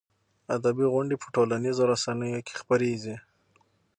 ادبي غونډې په ټولنیزو رسنیو کې خپرېږي.